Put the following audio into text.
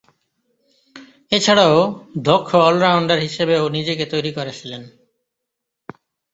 এছাড়াও, দক্ষ অল-রাউন্ডার হিসেবেও নিজেকে তৈরী করেছিলেন।